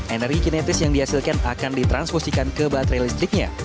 energi kinetis yang dihasilkan akan ditransfusikan ke baterai listriknya